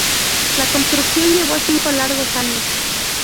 La construcción llevó cinco largos años.